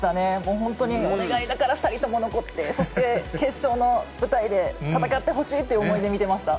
本当にお願いだから２人とも残って、そして決勝の舞台で戦ってほしいという思いで見てました。